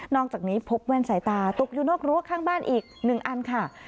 อกจากนี้พบแว่นสายตาตกอยู่นอกรั้วข้างบ้านอีก๑อันค่ะ